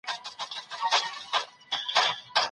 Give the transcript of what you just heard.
لومړی مشترک حق د زده کړو حق دی؟